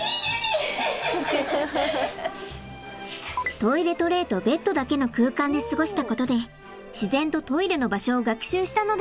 トイレトレーとベッドだけの空間で過ごしたことで自然とトイレの場所を学習したのでしょうか。